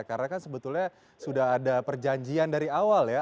karena kan sebetulnya sudah ada perjanjian dari awal ya